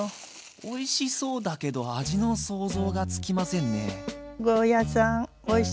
おいしそうだけど味の想像がつきませんね。